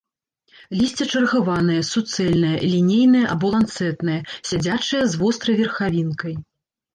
Лісце чаргаванае, суцэльнае, лінейнае або ланцэтнае, сядзячае, з вострай верхавінкай.